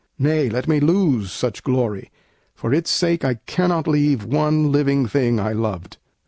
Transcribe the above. Nay, let me lose such glory; for its sake I cannot leave one living thing I loved."